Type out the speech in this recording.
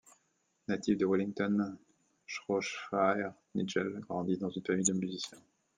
Natif de Wellington, Shropshire, Nigel grandit dans une famille de musiciens.